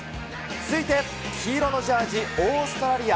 続いて黄色のジャージ、オーストラリア。